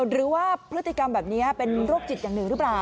หรือว่าพฤติกรรมแบบนี้เป็นโรคจิตอย่างหนึ่งหรือเปล่า